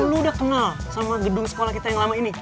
lu udah kenal sama gedung sekolah kita yang lama ini